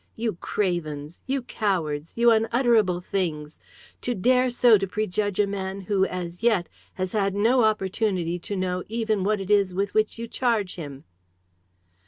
You cravens! You cowards! You unutterable things! To dare so to prejudge a man who, as yet, has had no opportunity to know even what it is with which you charge him!"